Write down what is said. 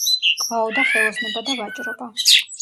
ყვაოდა ხელოსნობა და ვაჭრობა.